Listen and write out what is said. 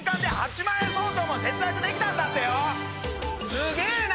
すげぇな！